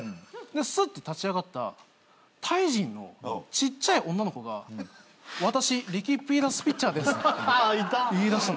スッと立ち上がったタイ人のちっちゃい女の子が「私リキッピーダースピッチャーです」って言いだしたんです。